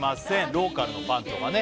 ローカルのパンとかね